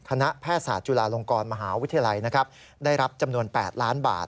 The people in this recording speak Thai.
คณะแพทยศาสตร์จุฬาลงกรมหาวิทยาลัยได้รับจำนวน๘ล้านบาท